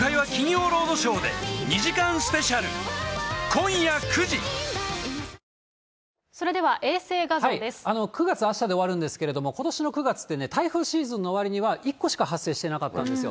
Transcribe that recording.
香りに驚くアサヒの「颯」９月、あしたで終わるんですけれども、ことしの９月って台風シーズンのわりには、１個しか発生してなかったんですよ。